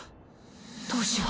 どうしよう。